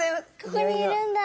ここにいるんだ。